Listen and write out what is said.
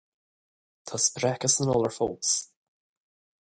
Tá spreacadh san iolar fós.